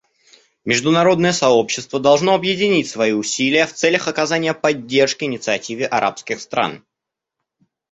Международное сообщество должно объединить свои усилия в целях оказания поддержки инициативе арабских стран.